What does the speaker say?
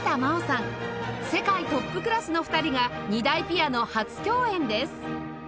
世界トップクラスの２人が２台ピアノ初共演です！